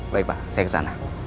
baik pak saya ke sana